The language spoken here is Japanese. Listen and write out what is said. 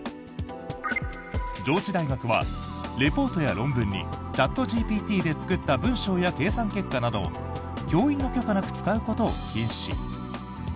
上智大学は、レポートや論文にチャットＧＰＴで作った文章や計算結果などを教員の許可なく使うことを禁止。